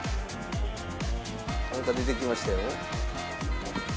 なんか出てきましたよ。